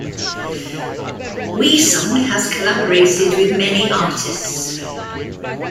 Wheesung has collaborated with many artists.